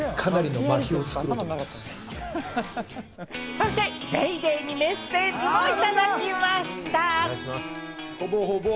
そして『ＤａｙＤａｙ．』にメッセージもいただきました。